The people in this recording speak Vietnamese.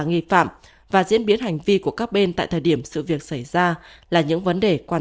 nghi phạm và diễn biến hành vi của các bên tại thời điểm sự việc xảy ra là những vấn đề quan